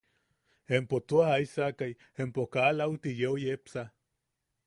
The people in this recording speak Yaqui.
¿Empo tua jaisaka empo kaa lauti yeu yepsa?